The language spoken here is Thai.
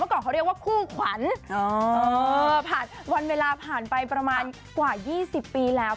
ก่อนเขาเรียกว่าคู่ขวัญผ่านวันเวลาผ่านไปประมาณกว่า๒๐ปีแล้ว